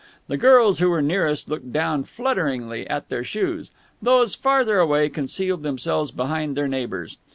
The girls who were nearest looked down flutteringly at their shoes: those further away concealed themselves behind their neighbours.